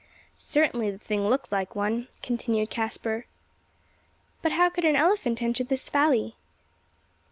"Certainly the thing looked like one," continued Caspar. "But how could an elephant enter this valley?"